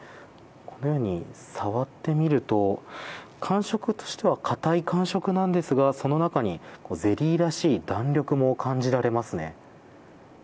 このように触ってみると感触としてはかたい感触なんですがその中にゼリーらしい弾力も感じられますね。